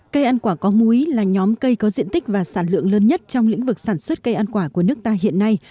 cây ăn quả có múi là nhóm cây có diện tích và sản lượng lớn nhất trong lĩnh vực sản xuất cây ăn quả của nước ta hiện nay